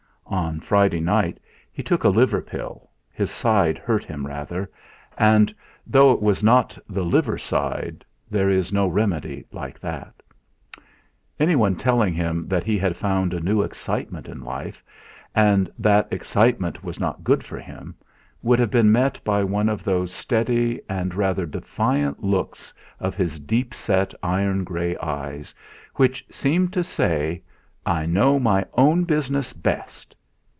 On Friday night he took a liver pill, his side hurt him rather, and though it was not the liver side, there is no remedy like that. Anyone telling him that he had found a new excitement in life and that excitement was not good for him, would have been met by one of those steady and rather defiant looks of his deep set iron grey eyes, which seemed to say: 'I know my own business best.'